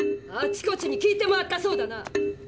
あちこちに聞いて回ったそうだな。